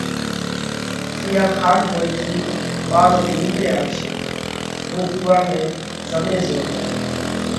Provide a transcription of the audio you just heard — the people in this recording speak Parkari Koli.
اِيئا کاڏ موئين ٿِي ٻارو نيهري آوشي هُون اُوئا نئہ زمي زوڏيا